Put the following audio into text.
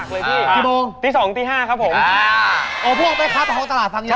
พวกแมคคลาสตรงของตลาดฟังอยู่